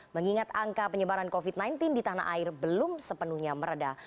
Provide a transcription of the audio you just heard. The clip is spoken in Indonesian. mengingat angka penyebaran covid sembilan belas di tanah air belum sepenuhnya meredah